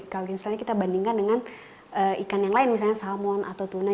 kalau misalnya kita bandingkan dengan ikan yang lain misalnya salmon atau tuna